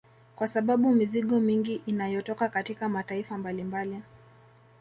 Kwa sababu mizigo mingi inayotoka katika mataifa mbalimbali